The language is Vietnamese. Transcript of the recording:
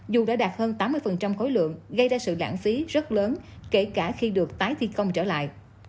dù đã đạt hơn tám mươi khối lượng gây ra sự lãng phí rất lớn kể cả khi được tái thi công trở lại